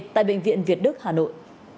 tại bệnh viện việt đức hà nội